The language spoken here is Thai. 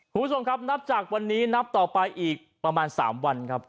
คุณผู้ชมครับนับจากวันนี้นับต่อไปอีกประมาณ๓วันครับ